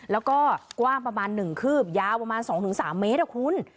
แล้วก็กว้างประมาณ๑คืบยาวประมาณ๒๓เมตรอะคุณ